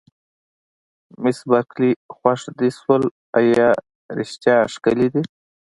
مس بارکلي: خوښ دې شول، ایا رښتیا ښکلي دي؟